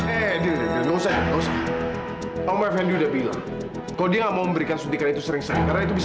edo nama cantik udah dipanggil